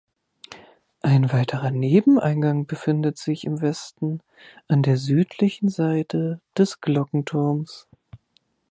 Ein weiterer Nebeneingang befindet sich im Westen an der südlichen Seite des Glockenturms.